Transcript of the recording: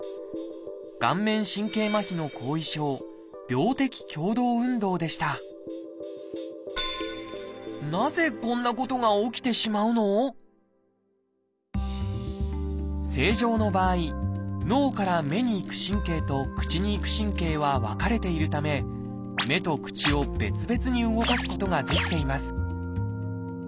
顔面神経麻痺の後遺症「病的共同運動」でした正常の場合脳から目に行く神経と口に行く神経は分かれているため目と口を別々に動かすことができています